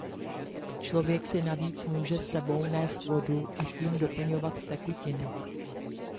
Člověk si navíc může s sebou nést vodu a tím doplňovat tekutiny.